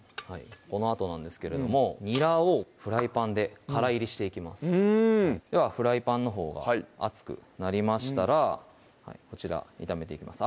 このあとなんですけれどもにらをフライパンでからいりしていきますではフライパンのほうが熱くなりましたらこちら炒めていきます